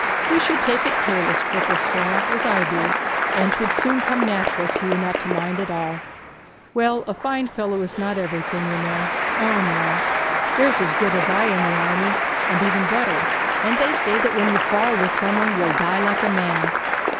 'You should take it careless, Cripplestraw, as I do; and 'twould soon come natural to you not to mind it at all. Well, a fine fellow is not everything, you know. O no. There's as good as I in the army, and even better.' 'And they say that when you fall this summer, you'll die like a man.'